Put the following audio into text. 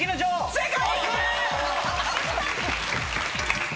正解！